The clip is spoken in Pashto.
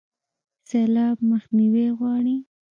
سیلاب مخنیوی غواړي